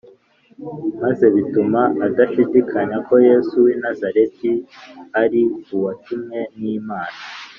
maze bituma adashidikanya ko Yesu w’i Nazareti ari Uwatumwe n’Imana